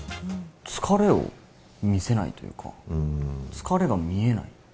疲れを見せないというか、疲れが見えない。